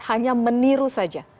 hanya meniru saja